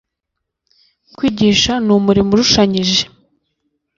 Kwigisha ni umurimo urushanyije